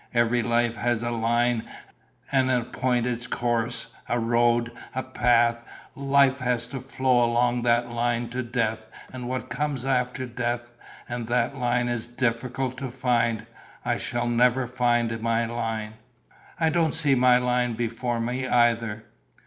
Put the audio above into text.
Every life has a line, an appointed course, a road, a path: life has to flow along that line to death and what comes after death; and that line is difficult to find. I shall never find my line." "I don't see my line before me either."